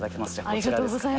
こちらですかね。